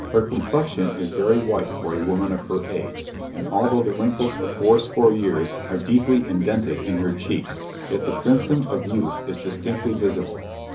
Her complexion is very white for a woman of her age, and although the wrinkles of fourscore years are deeply indented in her cheeks, yet the crimson of youth is distinctly visible.